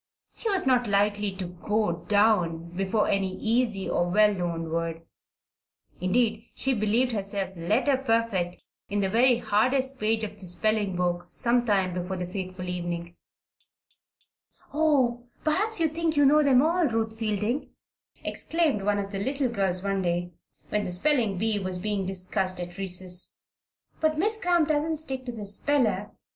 She was not likely to "go down" before any easy, or well known word. Indeed, she believed herself letter perfect in the very hardest page of the spelling book some time before the fateful evening. "Oh, perhaps you think you know them all, Ruth Fielding!" exclaimed one of the little girls one day when the spelling bee was being discussed at recess. "But Miss Cramp doesn't stick to the speller.